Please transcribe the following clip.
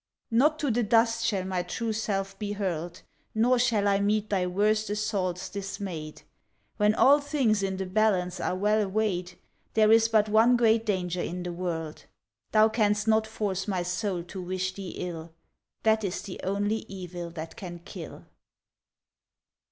Not to the dust shall my true self be hurled; Nor shall I meet thy worst assaults dismayed. When all things in the balance are well weighed, There is but one great danger in the world Thou canst not force my soul to wish thee ill, That is the only evil that can kill.